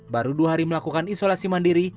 baru dua hari melakukan isolasi mandiri